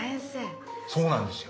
そうなんですよ。